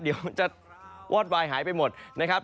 เดี๋ยวมันจะวอดวายหายไปหมดนะครับ